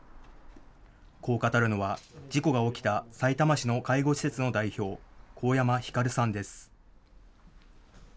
こう語るのは事故が起きたさいたま市の介護施設の代表、神山光さんです。